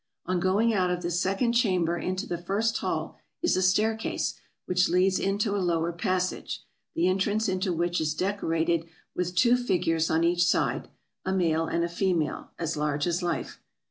On going out of this second chamber into the first hall is a staircase, which leads into a lower passage, the entrance into which is decorated with two figures on each side, a male and a female, as large as life.